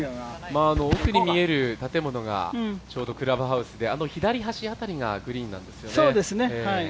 奥に見える建物がちょうどクラブハウスであの左端辺りがグリーンなんですよね。